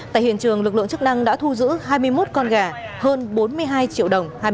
tại hiện trường lực lượng chức năng đã thu giữ hai mươi một con gà hơn bốn mươi hai triệu đồng